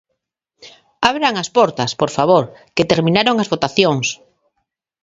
Abran as portas, por favor, que terminaron as votacións.